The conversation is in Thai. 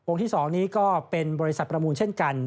ที่๒นี้ก็เป็นบริษัทประมูลเช่นกัน